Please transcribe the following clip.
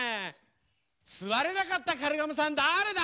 すわれなかったカルガモさんだれだ？